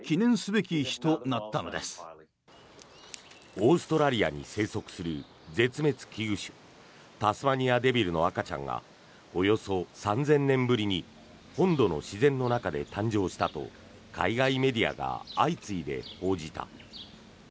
オーストラリアに生息する絶滅危惧種タスマニアデビルの赤ちゃんがおよそ３０００年ぶりに本土の自然の中で誕生したと海外メディアが相次いで報じた。